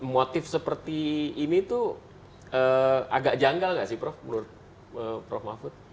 motif seperti ini tuh agak janggal nggak sih prof menurut prof mahfud